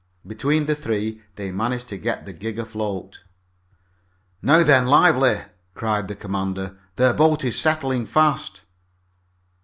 Between the three they managed to get the gig afloat. "Now then! Lively!" cried the commander. "Their boat is settling fast!"